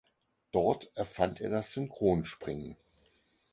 Dort erfand er das Synchronspringen.